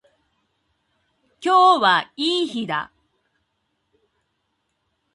今日はいい日だ。